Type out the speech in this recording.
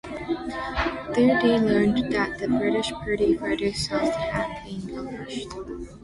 There they learnt that the British party further south had been ambushed.